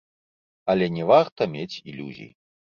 Але не варта мець ілюзій.